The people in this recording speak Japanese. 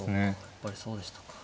やっぱりそうでしたか。